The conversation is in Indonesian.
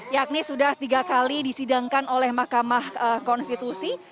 yakni sudah tiga kali disidangkan oleh mahkamah konstitusi